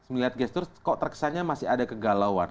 melihat gestur kok terkesannya masih ada kegalauan